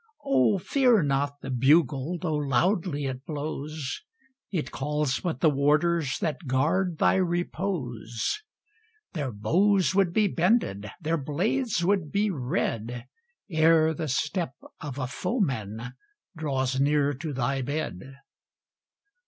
O fear not the bugle, though loudly it blows, It calls but the warders that guard thy repose; Their bows would be bended, their blades would be red, Ere the step of a foeman draws near to thy bed.